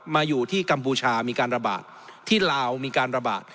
มาอยู่ที่กัมพูชามีการระบาดที่ลาวมีการระบาด